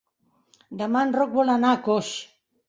Demà en Roc vol anar a Coix.